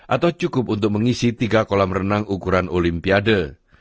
atau cukup untuk mengisi tiga kolam renang ukuran olimpiade